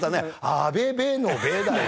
「あべべのべ」だよ。